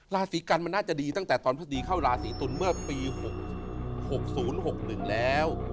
ราศีกันมันน่าจะดีตั้งแต่ตอนพฤษฎีเข้าราศีตุลเมื่อปี๖๐๖๑แล้ว